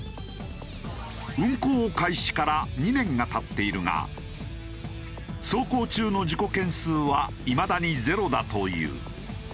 運行開始から２年が経っているが走行中の事故件数はいまだにゼロだという。